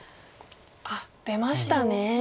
あっ出ましたね。